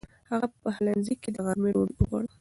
هغه په پخلنځي کې د غرمې ډوډۍ خوړه.